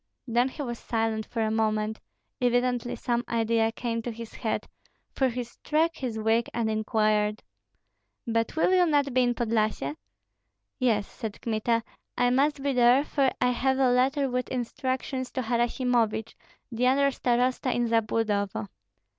Then he was silent for a moment; evidently some idea came to his head, for he struck his wig and inquired, "But will you not be in Podlyasye?" "Yes," said Kmita, "I must be there, for I have a letter with instructions to Harasimovich, the under starosta in Zabludovo."